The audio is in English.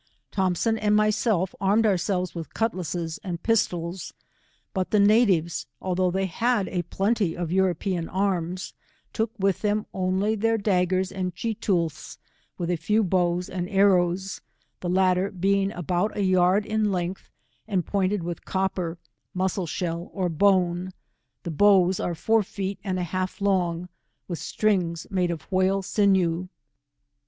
Thompson and my self armed ourselves with cutlasses and pistols, but the natives, although they had a plenty of Eu ropean arms, took with them only their daggers and cheetoolths, with a few bows and arrows, the latter being about a yard in length, and pointed with copper, muscle shell, or bone: the bows are four feet and a half long, with strings made of whale sinew.